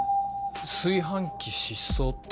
「炊飯器失踪」って。